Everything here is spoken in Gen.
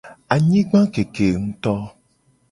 Anyigba keke nguto.